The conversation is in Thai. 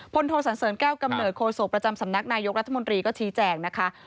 โทสันเสริญแก้วกำเนิดโคศกประจำสำนักนายกรัฐมนตรีก็ชี้แจงนะคะ